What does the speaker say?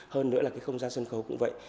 hơn nữa là không gian sân khấu cũng vậy